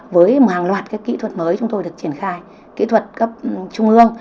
với một hàng loạt kỹ thuật mới chúng tôi được triển khai kỹ thuật cấp trung ương